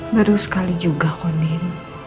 baru sekali juga konin